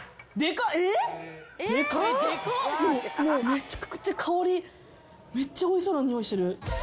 めちゃくちゃ香りめっちゃおいしそうな匂いしてる。